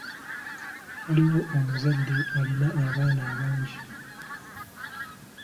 Waaliwo omuzadde alina abaana bangi.